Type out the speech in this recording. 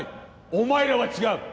お前らは違う。